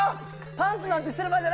パンツなんてしてる場合じゃ。